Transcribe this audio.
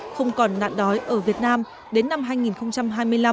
không còn nạn đói ở việt nam đến năm hai nghìn hai mươi năm